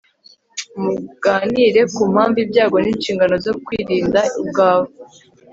muganire ku mpamvu, ibyago n'inshingano zo kwirinda ubwawe